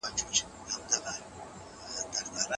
له جنابت وروسته ژر غسل کول بدن پاکوي.